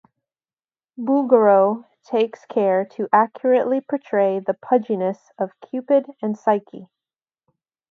Bouguereau takes care to accurately portray the pudginess of Cupid and Psyche.